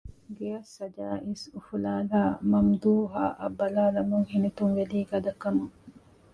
ގެއަށް ސަޖާ އިސްއުފުލާލައި މަމްދޫހާއަށް ބަލާލަމުން ހިނިތުންވެލީ ގަދަކަމުން